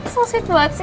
susit banget sih